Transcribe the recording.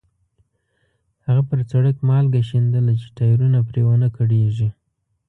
هغه پر سړک مالګه شیندله چې ټایرونه پرې ونه کړېږي.